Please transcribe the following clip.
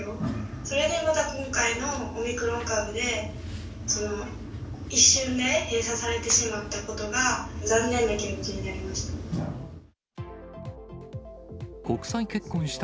それでまた今回のオミクロン株で、一瞬で閉鎖されてしまったことが残念な気持ちになりました。